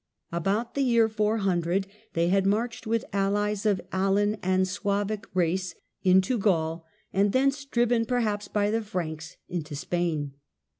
About the year 400 they had marched with allies of Alan and Suevic race into Gaul, and thence, driven perhaps by the Franks, into Spain.